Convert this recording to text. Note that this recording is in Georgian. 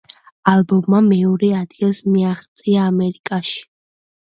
ალბომმა მეორე ადგილს მიაღწია ამერიკაში.